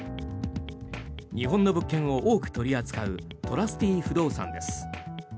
日本の物件を多く取り扱うＴＲＵＳＴＹ不動産です。